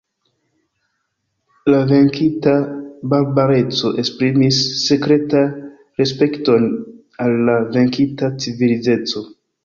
La venkinta barbareco esprimis sekrete respekton al la venkita civilizeco.